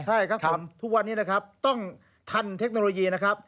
ใช่ครับผมทุกวันนี้นะครับต้องทันเทคโนโลยีนะครับ